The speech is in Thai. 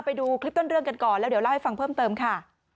ไปดูคลิปต้นเรื่องกันก่อนแล้วเดี๋ยวเล่าให้ฟังเพิ่มเติมค่ะ